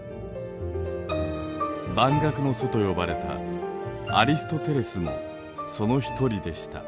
「万学の祖」と呼ばれたアリストテレスもその一人でした。